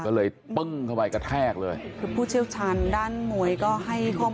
ก็เลยปึ้งเข้าไปกระแทกเลยคือผู้เชี่ยวชาญด้านมวยก็ให้ข้อมูล